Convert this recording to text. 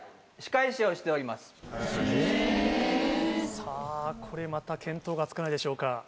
さぁこれまた見当がつかないでしょうか。